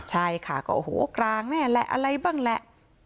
ใช่ค่ะก็โอ้โหกลางแน่แหละอะไรบ้างแหละ